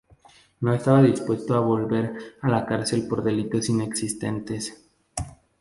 No estaba dispuesto a volver a la cárcel por delitos inexistentes.